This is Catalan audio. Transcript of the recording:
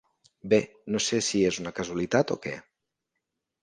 Bé, no sé si és una casualitat o què.